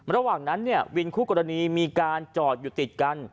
ระหว่างนั้นเนี่ยวินคู่กรณีมีการจอดอยู่ติดกัน